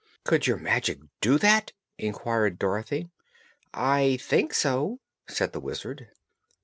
"Could your magic do that?" inquired Dorothy. "I think so," said the Wizard.